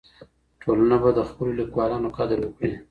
ټولنه به د خپلو ليکوالانو قدر وکړي.